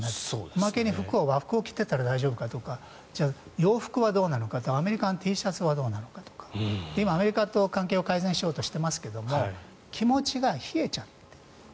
おまけに和服を着てたら大丈夫かとか洋服はどうなのかとかアメリカのＴシャツはどうなのかとか今、アメリカと関係を改善しようとしていますが気持ちが冷えちゃっている。